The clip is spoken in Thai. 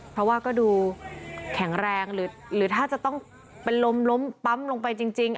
เพราะว่าก็ดูแข็งแรงหรือถ้าจะต้องเป็นลมล้มปั๊มลงไปจริง